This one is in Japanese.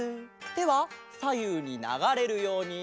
てはさゆうにながれるように。